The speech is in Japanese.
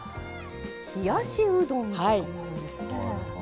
冷やしうどんとかもあるんですね。